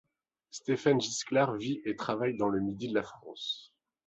Stéphane Gisclard vit et travaille dans le midi de la France.